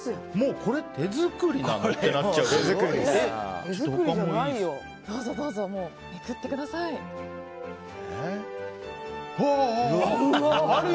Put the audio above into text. これ、手作りなの？ってなっちゃうよ。